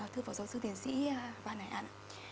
thưa phó giáo sư tiến sĩ văn hải an